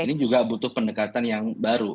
ini juga butuh pendekatan yang baru